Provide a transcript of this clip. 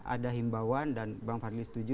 ada himbauan dan bang fadli setuju